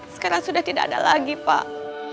sekarang sudah tidak ada lagi pak